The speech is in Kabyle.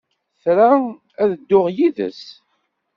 Tra ad dduɣ yid-s.